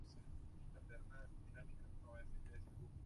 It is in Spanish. No sabe que se produzcan dentro de las áreas protegidas.